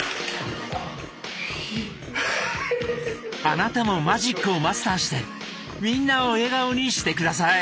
あなたもマジックをマスターしてみんなを笑顔にして下さい！